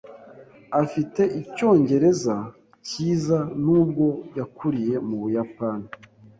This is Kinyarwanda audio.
Afite icyongereza cyiza nubwo yakuriye mu Buyapani.